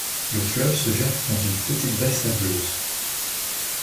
Le fleuve se jette dans une petite baie sableuse.